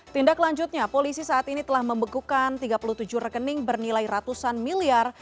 tindak lanjutnya polisi saat ini telah membekukan tiga puluh tujuh rekening bernilai ratusan miliar